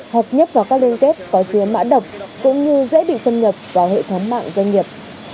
hợp nhất vào các liên kết có chứa mã độc cũng như dễ bị xâm nhập vào hệ thống mạng doanh nghiệp